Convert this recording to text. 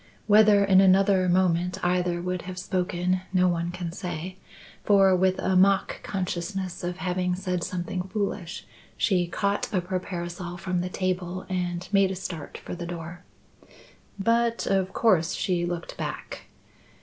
Whether in another moment either would have spoken no one can say, for, with a mock consciousness of having said something foolish, she caught up her parasol from the table and made a start for the door. But of course she looked back.